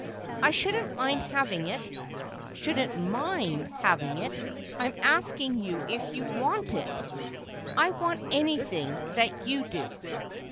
"I shouldn't mind having it." "'Shouldn't mind having it!' I'm asking you if you want it." "I want anything that you do."